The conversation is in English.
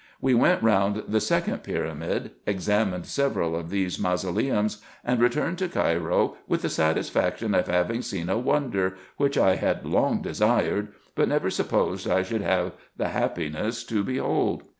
We went round the second pyramid, examined several of these mausoleums, and re turned to Cairo with the satisfaction of having seen a wonder, which I had long desired, but never supposed I should have the happiness to behold.